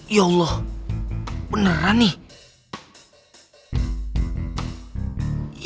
ya allah beneran nih